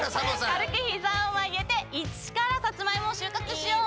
軽くヒザを曲げていちからサツマイモをしゅうかくしよう。